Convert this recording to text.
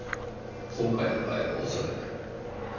今回の場合も恐らく。